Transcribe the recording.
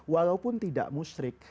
walaupun tidak musrik